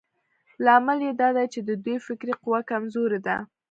لامل يې دا دی چې د دوی فکري قوه کمزورې ده.